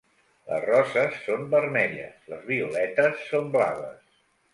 Les roses són vermelles, les violetes són blaves.